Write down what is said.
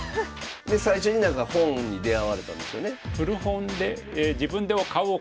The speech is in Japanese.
で最初になんか本に出会われたんですよね。